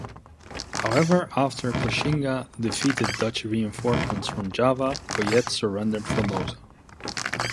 However, after Koxinga defeated Dutch reinforcements from Java, Coyett surrendered Formosa.